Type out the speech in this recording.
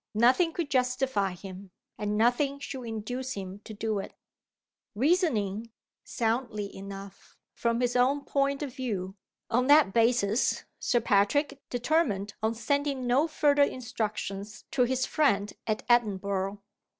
Nothing could justify him; and nothing should induce him to do it. Reasoning soundly enough, from his own point of view on that basis, Sir Patrick determined on sending no further instructions to his friend at Edinburgh.